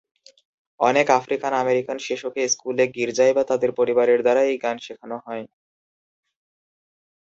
অনেক আফ্রিকান-আমেরিকান শিশুকে স্কুলে, গির্জায় বা তাদের পরিবারের দ্বারা এই গান শেখানো হয়।